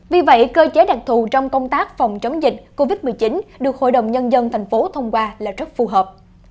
vì vậy cơ chế đặc thù trong công tác phòng chống dịch covid một mươi chín được hội đồng nhân dân tp hcm thông qua là rất phù hợp